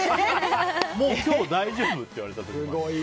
もう今日大丈夫って言われたり。